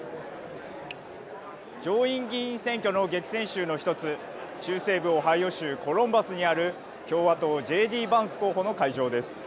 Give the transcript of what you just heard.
上院議員選挙の激戦州の１つ、中西部オハイオ州コロンバスにある共和党Ｊ・Ｄ・バンス候補の会場です。